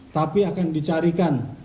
tapi akan dicarikan